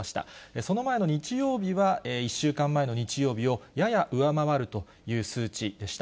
その前の日曜日は、１週間前の日曜日をやや上回るという数値でした。